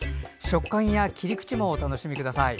食感や切り口もお楽しみください。